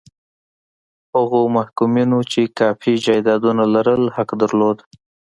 هغو محکومینو چې کافي جایدادونه لرل حق درلود.